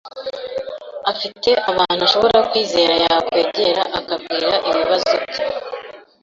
afite abantu ashobora kwizera yakwegera akababwira ibibazo bye”.